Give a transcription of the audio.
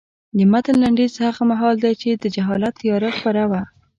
د متن لنډیز هغه مهال دی چې د جهالت تیاره خپره وه.